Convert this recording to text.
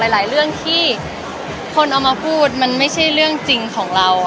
หลายเรื่องที่คนเอามาพูดมันไม่ใช่เรื่องจริงของเรา